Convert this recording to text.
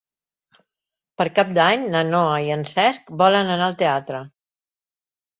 Per Cap d'Any na Noa i en Cesc volen anar al teatre.